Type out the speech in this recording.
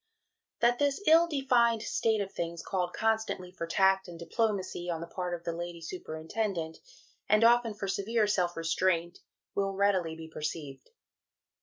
" That this ill defined state of things called constantly for tact and diplomacy on the part of the Lady Superintendent, and often for severe self restraint, will readily be perceived.